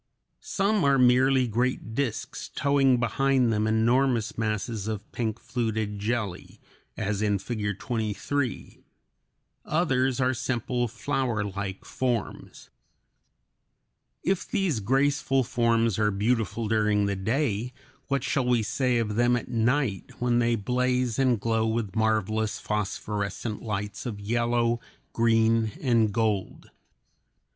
Some are merely great disks towing behind them enormous masses of pink fluted jelly, as in Figure 23; others are simple flowerlike forms (Fig. 24). If these graceful forms are beautiful during the day, what shall we say of them at night, when they blaze and glow with marvelous phosphorescent lights of yellow, green, and gold.